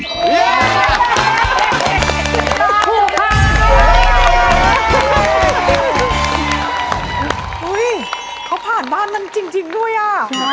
เฮ้ยเขาผ่านบ้านนั้นจริงด้วยอ่ะ